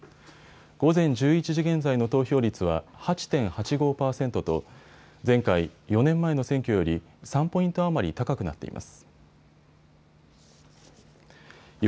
午前１１時現在の投票率は８．８５％と前回４年前の選挙より３ポイント余り高くなっています。